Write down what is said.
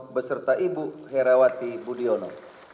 beserta ibu herawati budiono